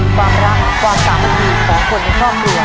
ความรักความสามัคคีของคนในครอบครัว